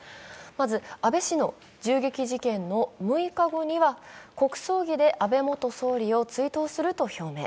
まず安倍氏の銃撃事件の６日後には国葬儀で安倍元総理を追悼すると表明。